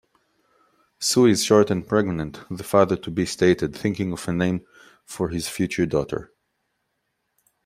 "Sue is short and pregnant", the father-to-be stated, thinking of a name for his future daughter.